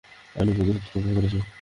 আমি প্রতিশ্রুতি রক্ষা করেছি।